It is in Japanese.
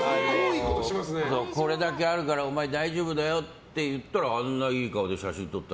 これだけあるからお前大丈夫だよって言ったらあんないい顔で写真撮って。